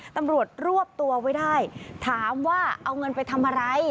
ตำรวจรวบตัวไว้ได้ถามว่าเอาเงินไปทำอะไร